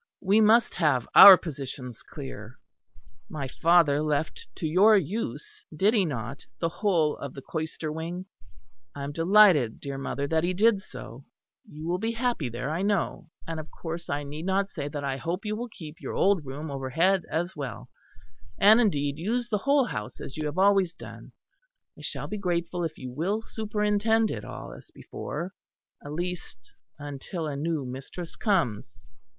We must have our positions clear. My father left to your use, did he not, the whole of the cloister wing? I am delighted, dear mother, that he did so. You will be happy there I know; and of course I need not say that I hope you will keep your old room overhead as well; and, indeed, use the whole house as you have always done. I shall be grateful if you will superintend it all, as before at least, until a new mistress comes."